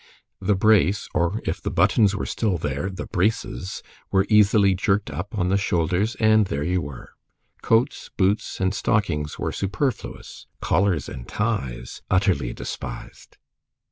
The brace, or if the buttons were still there, the braces were easily jerked up on the shoulders, and there you were. Coats, boots, and stockings were superfluous, collars and ties utterly despised.